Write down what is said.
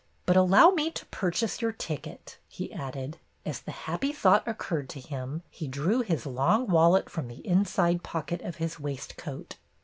"But allow me to purchase your ticket," he added. As the happy thought occurred to him, he drew his long wallet from the inside pocket of his waistcoat.